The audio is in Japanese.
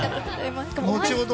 後ほど